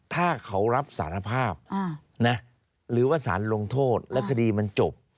ถ้าเขารับสารภาพหรือว่าสารลงโทษแล้วคดีมันจบ